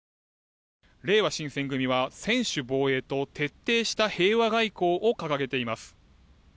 れいわ新選組は専守防衛と徹底した平和外交を掲げています。